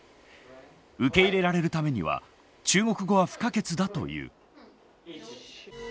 受け入れられるためには中国語は不可欠だという。